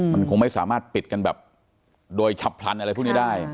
มันคงไม่สามารถปิดกันแบบโดยฉับพลันอะไรพวกนี้ได้